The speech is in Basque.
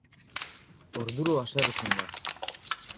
Orduro haserretzen da.